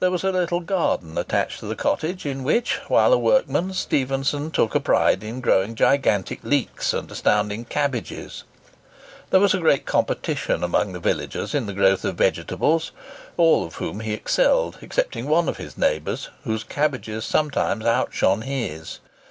There was a little garden attached to the cottage, in which, while a workman, Stephenson took a pride in growing gigantic leeks and astounding cabbages. There was great competition amongst the villagers in the growth of vegetables, all of whom he excelled, excepting one of his neighbours, whose cabbages sometimes outshone his.